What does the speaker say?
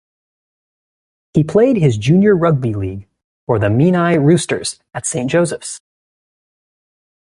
He played his junior rugby league for the Menai Roosters and Saint Joseph's.